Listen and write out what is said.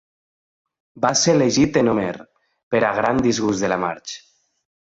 Va ser elegit en Homer, per a gran disgust de la Marge.